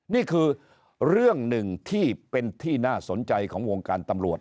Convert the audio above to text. นี่คือเรื่องหนึ่งที่เป็นที่น่าสนใจของวงการตำรวจ